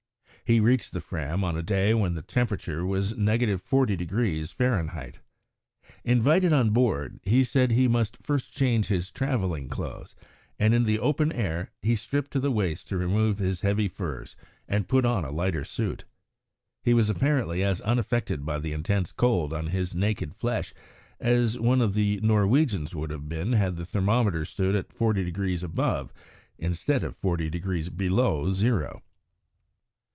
He reached the Fram on a day when the temperature was at 40° Fahr. Invited on board, he said he must first change his travelling clothes, and, in the open air, he stripped to the waist to remove his heavy furs and put on a lighter suit. He was apparently as unaffected by the intense cold on his naked flesh as one of the Norwegians would have been had the thermometer stood at forty degrees above instead of forty degrees below zero.